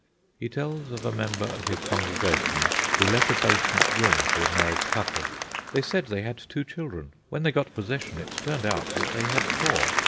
He tells of a member of his congregation who let a basement room to a married couple. "They said they had two children; when they got possession it turned out that they had four.